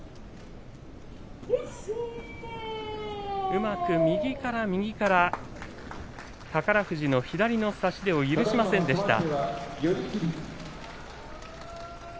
うまく右から右から宝富士の左の差し手を許しませんでした。